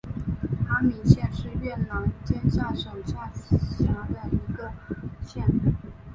安明县是越南坚江省下辖的一个县。